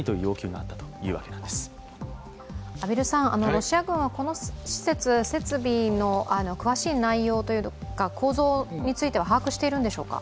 ロシア軍はこの施設、設備の詳しい内容というか構造については把握しているんでしょうか？